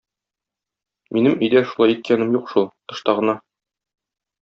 Минем өйдә шулай иткәнем юк шул, тышта гына.